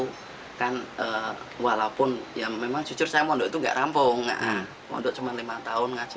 hai kan walaupun yang memang jujur saya mau itu enggak rampung ngak untuk cuman lima tahun ngaji